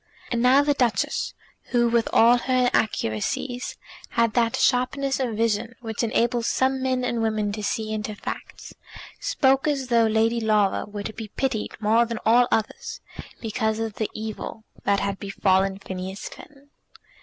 And now the Duchess, who, with all her inaccuracies, had that sharpness of vision which enables some men and women to see into facts, spoke as though Lady Laura were to be pitied more than all others, because of the evil that had befallen Phineas Finn!